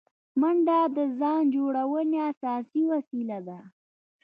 منډه د ځان جوړونې اساسي وسیله ده